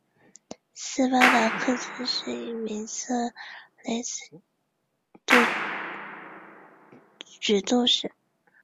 斯巴达克斯是一名色雷斯角斗士。